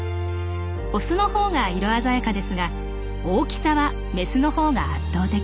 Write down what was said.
オスの方が色鮮やかですが大きさはメスの方が圧倒的。